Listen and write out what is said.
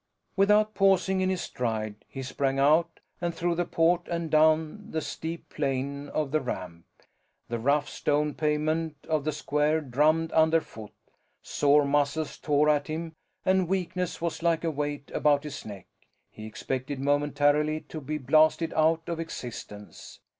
Without pausing in his stride he sprang out and through the port and down the steep plane of the ramp. The rough stone pavement of the square drummed underfoot; sore muscles tore at him, and weakness was like a weight about his neck. He expected momentarily to be blasted out of existence.